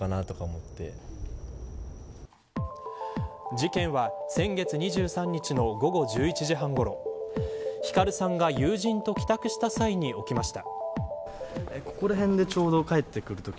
事件は先月２３日の午後１１時半ごろ輝さんが、友人と帰宅した際に起きました。